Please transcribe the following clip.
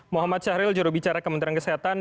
muhammad syahril jurubicara kementerian kesehatan